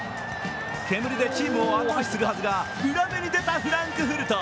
煙でチームを後押しするはずが裏目に出たフランクフルト。